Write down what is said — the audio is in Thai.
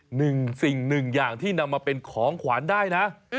หนึ่งสิ่งหนึ่งอย่างที่นำมาเป็นของขวานได้นะ